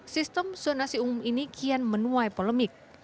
sistem zonasi umum ini kian menuai polemik